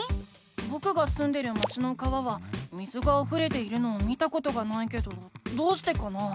ぼくがすんでる町の川は水があふれているのを見たことがないけどどうしてかな？